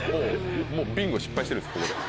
もうビンゴ失敗してるんですここで。